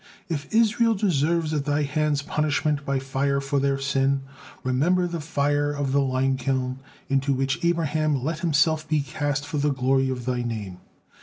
If Israel deserves at Thy hands punishment by fire for their sin, remember the fire of the limekiln into which Abraham let himself be cast for the glory of Thy name.